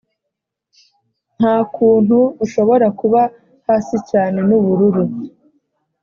nta kuntu ushobora kuba hasi cyane n'ubururu.